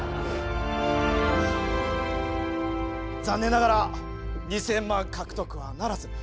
残念ながら２，０００万獲得はならず。